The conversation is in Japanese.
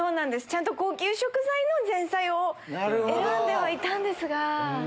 ちゃんと高級食材の前菜を選んではいたんですが。